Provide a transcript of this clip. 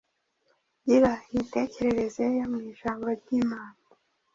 Gira imitekerereze yo mu Ijambo ry’Imana "